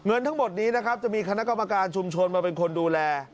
ทั้งหมดนี้นะครับจะมีคณะกรรมการชุมชนมาเป็นคนดูแล